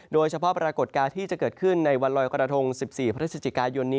ปรากฏการณ์ที่จะเกิดขึ้นในวันลอยกระทง๑๔พฤศจิกายนนี้